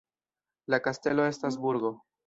La kastelo estas burgo.